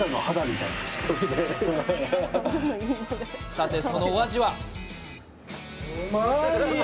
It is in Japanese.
さて、そのお味は？